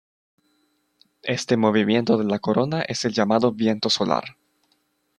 Este movimiento de la corona es el llamado viento solar.